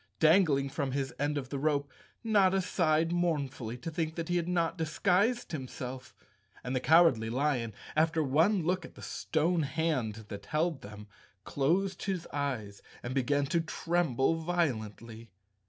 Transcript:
Dangling from his end of the rope, Notta sighed mournfully to think he had not disguised himself, and the Cowardly Lion, after one look at the stone hand that held them, closed his eyes and began to tremble violently.